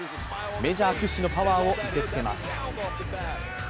メジャー屈指のパワーを見せつけます。